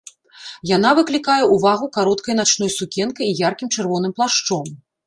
Яна выклікае ўвагу кароткай начной сукенкай і яркім чырвоным плашчом.